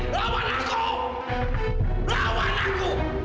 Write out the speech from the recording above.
mas wisnu yang mau beramal